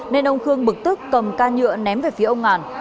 nên ông khương bực tức cầm ca nhựa ném về phía ông ngàn